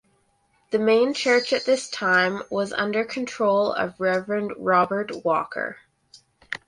The main church at this time was under control of Rev Robert Walker.